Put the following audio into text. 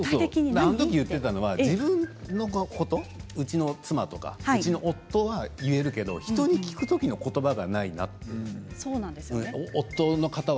あのとき言っていたのは自分のこと自分の妻、自分の夫は言えるけど人に聞くことばがないなと。